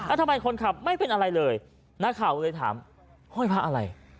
ทำไมคนขับไม่เป็นอะไรเลยนักข่าวเลยถามห้อยพระอะไร